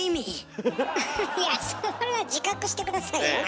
フフッいやそれは自覚して下さいよ。